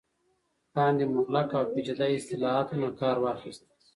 وړاندې مغلق او پیچیده اصطلاحاتو نه کار واخست